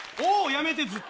やめてずっと。